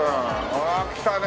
わあ来たね